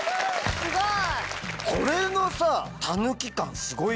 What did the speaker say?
すごい！